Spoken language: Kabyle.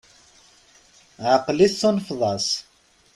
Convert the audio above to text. Ɛeqel-it tunefeḍ-as!